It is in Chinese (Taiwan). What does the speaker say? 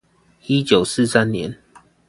一九四三年